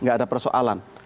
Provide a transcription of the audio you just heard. tidak ada persoalan